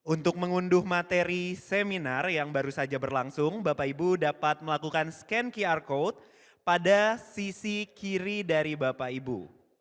untuk mengunduh materi seminar yang baru saja berlangsung bapak ibu dapat melakukan scan qr code pada sisi kiri dari bapak ibu